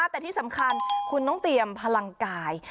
แต่ที่สำคัญคุณต้องเตรียมพลังกาย